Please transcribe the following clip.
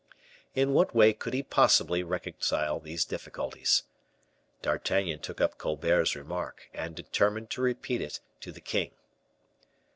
In what way could he possibly reconcile these difficulties? D'Artagnan took up Colbert's remark, and determined to repeated it to the king.